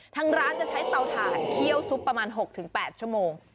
ทางร้านจะใช้เตาถ่านเคี่ยวซุปประมาณ๖๘ชั่วโมง